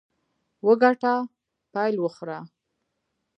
وګټه، پیل وخوره.